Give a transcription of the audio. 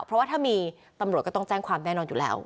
เพราะว่าถ้ามีตำรวจก็ต้องแจ้งความแน่นอนอยู่แล้ว